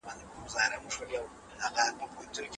اختلافات د ټولني شيرازه خرابوي.